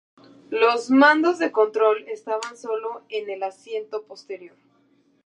Los mandos de control estaban solo en el asiento posterior.